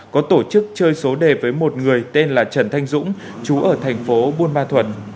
có tổ chức chơi số đề với một người tên là trần thanh dũng chú ở thành phố buôn ma thuật